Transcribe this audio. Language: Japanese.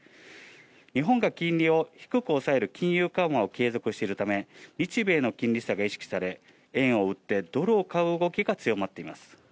日本が金利を低く抑える金融緩和を継続しているため、日米の金利差が意識され、円を売ってドルを買う動きが強まっています。